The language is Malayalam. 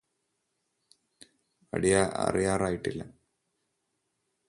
അറിയാറായിട്ടില്ല